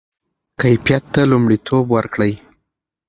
کیفیت ته لومړیتوب ورکړئ.